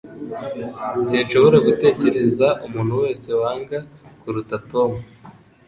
Sinshobora gutekereza umuntu wese wanga kuruta Tom.